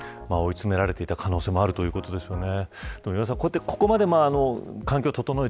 追い詰められていた可能性もあるということですよね。